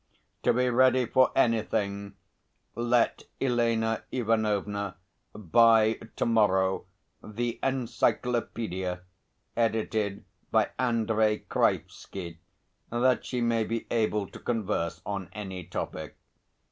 To be ready for anything let Elena Ivanovna buy to morrow the Encyclopædia edited by Andrey Kraevsky, that she may be able to converse on any topic.